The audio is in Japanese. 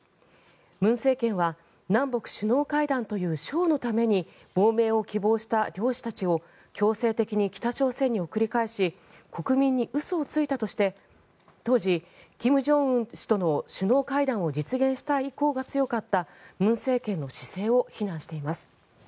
文政権は南北首脳会談というショーのために亡命を希望した漁師たちを強制的に北朝鮮に送り返し国民に嘘をついたとして当時、金正恩氏との首脳会談を実現したい意向が強かった文政権の姿勢を非難しています。